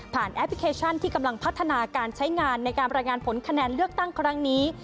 แอปพลิเคชันที่กำลังพัฒนาการใช้งานในการรายงานผลคะแนนเลือกตั้งครั้งนี้